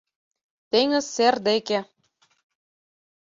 ТЕҤЫЗ СЕР ДЕКЕ